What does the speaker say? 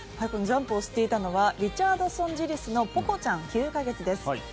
ジャンプをしていたのはリチャードソンジリスポコちゃん、９か月です。